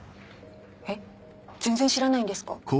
えっ全然知らないんですか？